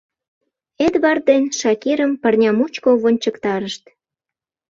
Эдвард ден Шакирым пырня мучко вончыктарышт.